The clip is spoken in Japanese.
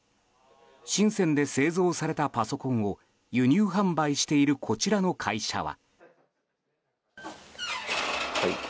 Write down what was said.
シンセンで製造されたパソコンを輸入販売しているこちらの会社は。